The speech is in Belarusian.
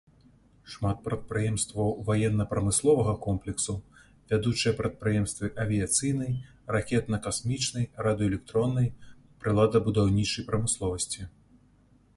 Шмат прадпрыемстваў ваенна-прамысловага комплексу, вядучыя прадпрыемствы авіяцыйнай, ракетна-касмічнай, радыёэлектроннай, прыладабудаўнічай прамысловасці.